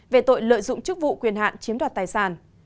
về tội lợi dụng chức vụ quyền hạn chiếm đoạt tài sản